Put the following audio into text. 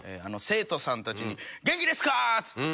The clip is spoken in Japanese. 生徒さんたちに「元気ですかー！」っつって。